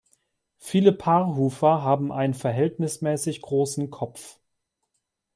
Viele Paarhufer haben einen verhältnismäßig großen Kopf.